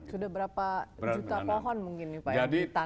sudah berapa juta pohon mungkin nih pak yang